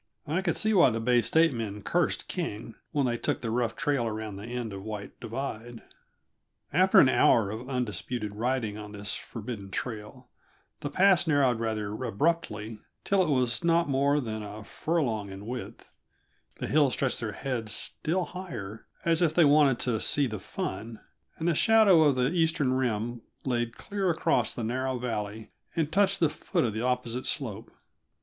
I could see why the Bay State men cursed King when they took the rough trail around the end of White Divide. After an hour of undisputed riding on this forbidden trail, the pass narrowed rather abruptly till it was not more than a furlong in width; the hills stretched their heads still higher, as if they wanted to see the fun, and the shadow of the eastern rim laid clear across the narrow valley and touched the foot of the opposite slope.